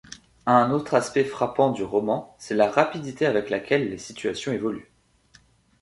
Un autre aspect frappant du roman, c’est la rapidité avec laquelle les situations évoluent.